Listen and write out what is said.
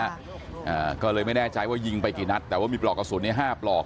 อ่าก็เลยไม่แน่ใจว่ายิงไปกี่นัดแต่ว่ามีปลอกกระสุนในห้าปลอก